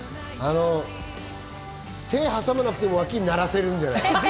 手、挟まなくても脇ならせるんじゃない？